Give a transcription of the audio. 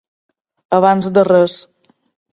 Abans de res.